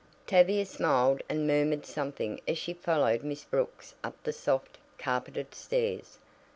Tavia smiled and murmured something as she followed Miss Brooks up the soft, carpeted stairs.